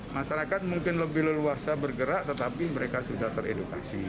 masyarakat mungkin lebih leluasa bergerak tetapi mereka sudah teredukasi